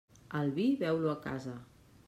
El vi, beu-lo a casa.